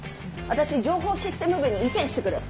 私情報システム部に意見して来る。